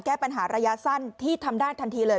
แก้ปัญหาระยะสั้นที่ทำได้ทันทีเลย